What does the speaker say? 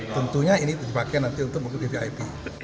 tentunya ini dipakai nanti untuk mengikuti vip